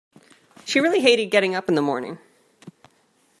She really hated getting up in the morning